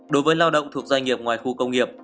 đối với lao động thuộc doanh nghiệp ngoài khu công nghiệp